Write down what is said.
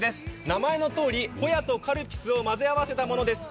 名前のとおり、ホヤとカルピスを混ぜ合わせたものです。